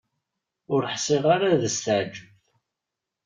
Ur ḥṣiɣ ara ad s-teɛǧeb.